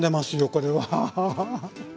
これは。